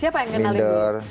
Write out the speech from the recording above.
siapa yang kenal ini